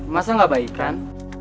masa gak baikan